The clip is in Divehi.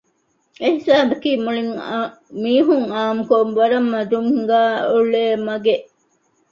އެހިސާބަކީ މީހުން އާންމުކޮށް ވަރަށް މަދުން ހިނގައި އުޅޭ މަގެއް